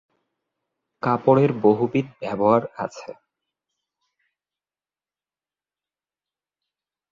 কাপড়ের বহুবিধ ব্যবহার আছে।